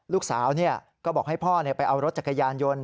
ลูกสาวก็บอกให้พ่อไปเอารถจักรยานยนต์